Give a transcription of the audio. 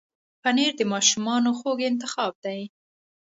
پنېر د ماشومانو خوږ انتخاب دی.